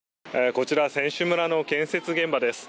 こちら選手村の建設現場です。